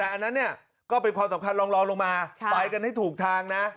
แต่อันนั้นเนี่ยก็เป็นความสำคัญลองลงมาไปกันให้ถูกทางนะ